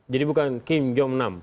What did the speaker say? jadi bukan kim jong nam